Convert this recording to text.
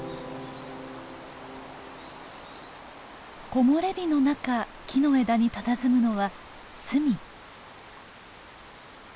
木漏れ日の中木の枝にたたずむのはツミ。